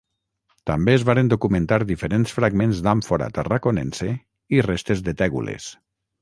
També es varen documentar diferents fragments d'àmfora tarraconense i restes de tègules.